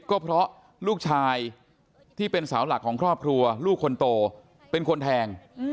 ก็เพราะลูกชายที่เป็นสาวหลักของครอบครัวลูกคนโตเป็นคนแทง